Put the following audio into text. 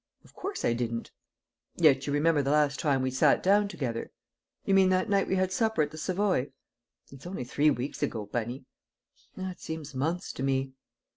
"Of course I didn't." "Yet you remember the last time we sat down together?" "You mean that night we had supper at the Savoy?" "It's only three weeks ago, Bunny." "It seems months to me."